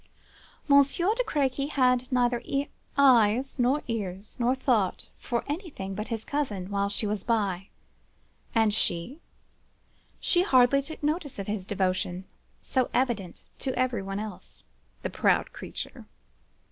Monsieur de Crequy had neither eyes nor ears, nor thought for anything but his cousin, while she was by. And she? She hardly took notice of his devotion, so evident to every one else. The proud creature!